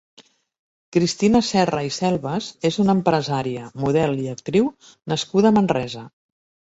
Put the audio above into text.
Cristina Serra i Selvas és una empresària, model i actriu nascuda a Manresa.